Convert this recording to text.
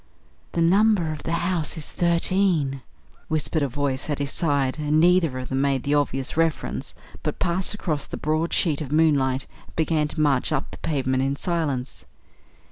"The number of the house is thirteen," whispered a voice at his side; and neither of them made the obvious reference, but passed across the broad sheet of moonlight and began to march up the pavement in silence.